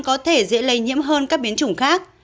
có thể dễ lây nhiễm hơn các biến chủng khác